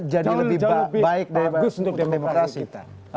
jauh lebih bagus untuk demokrasi kita